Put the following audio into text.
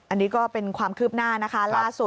อันนี้ก็เป็นความคืบหน้า